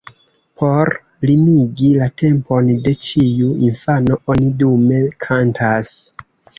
Por limigi la tempon de ĉiu infano oni dume kantas.